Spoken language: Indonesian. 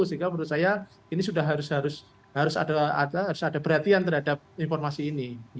sehingga menurut saya ini sudah harus ada perhatian terhadap informasi ini